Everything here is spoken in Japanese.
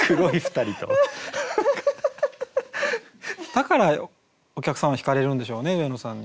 だからお客さんはひかれるんでしょうね上野さんに。